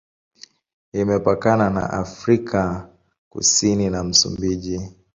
Imepakana na Afrika Kusini na Msumbiji.